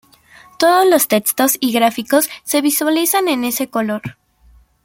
Todos los textos y gráficos se visualizan en ese color.